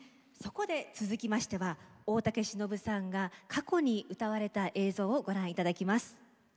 そこで続きましては大竹しのぶさんが過去に歌われた映像をご覧いただきます。